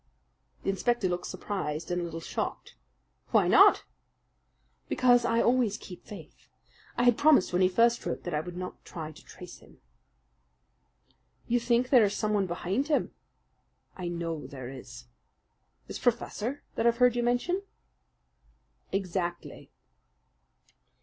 The inspector looked surprised and a little shocked. "Why not?" "Because I always keep faith. I had promised when he first wrote that I would not try to trace him." "You think there is someone behind him?" "I know there is." "This professor that I've heard you mention?" "Exactly!"